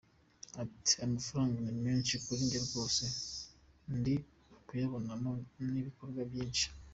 Ati “Aya mafaranga ni menshi kuri njye rwose ndi kuyabonamo n’ibikorwa byinshi.